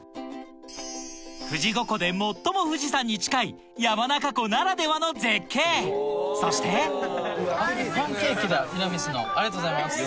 富士五湖で最も富士山に近い山中湖ならではのそしてありがとうございます。